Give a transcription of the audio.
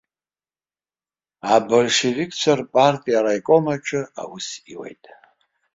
Абольшевикцәа рпартиа араиком аҿы аус иуеит.